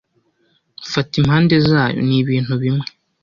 Fata impande zayo, ni ibintu bimwe,